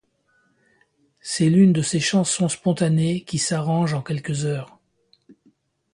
C'est l'une de ces chansons spontanées qui s'arrangent en quelques heures.